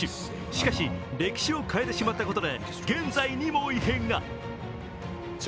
しかし、歴史を変えてしまったことで現在にも異変が。